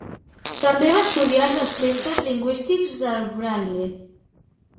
També va estudiar els aspectes lingüístics del braille.